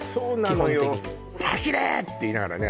基本的に「走れっ！！」て言いながらね